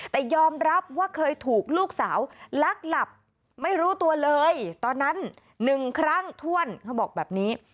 แต่ยอมรับว่าเคยถูกลูกสาวลักหลับไม่รู้ตัวเลยตอนนั้น๑ครั้งถ้วนเขาบอกแบบนี้